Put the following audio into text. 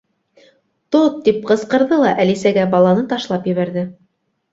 —Тот! —тип ҡысҡырҙы ла Әлисәгә баланы ташлап ебәрҙе.